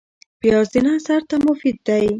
پیاز د نس درد ته مفید دی